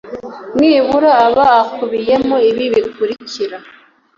nibura aba akubiyemo ibi bikurikira